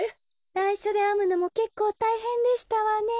ないしょであむのもけっこうたいへんでしたわね。